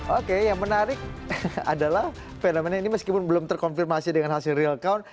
oke yang menarik adalah fenomena ini meskipun belum terkonfirmasi dengan hasil real count